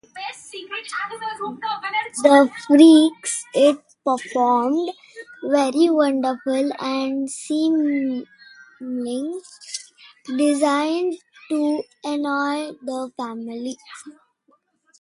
The freaks it performed were wonderful, and seemingly designed to annoy the family.